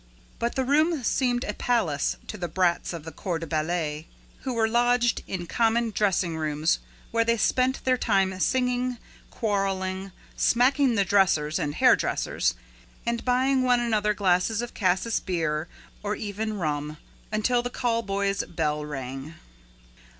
But the room seemed a palace to the brats of the corps de ballet, who were lodged in common dressing rooms where they spent their time singing, quarreling, smacking the dressers and hair dressers and buying one another glasses of cassis, beer, or even rhum, until the call boy's bell rang.